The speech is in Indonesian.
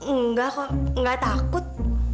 enggak kok nggak takut